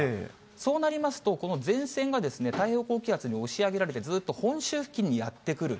そうなりますと、この前線が太平洋高気圧に押し上げられて、ずっと本州付近にやって来る。